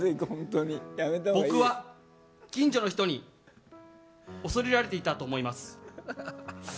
僕は、近所の人に恐れられていたと思います。